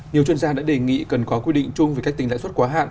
nhiều chuyên gia đã đề nghị cần có quy định chung về cách tính lãi suất quá hạn